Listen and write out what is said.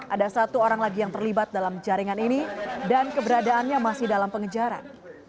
ada satu orang lagi yang terlibat dalam jaringan ini dan keberadaannya masih dalam pengejaran